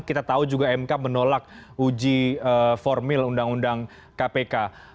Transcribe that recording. kpk menolak uji formil undang undang kpk